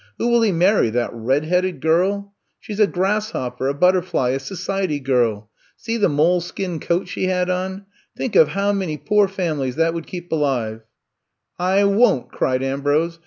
*^Who will he marry — ^that red headed girlt She 's a grasshopper, a butterfly, a society girl. See the mole skin coat she had on. Think of how many poor families that would keep alive 1'' I won%" cried Ambrose.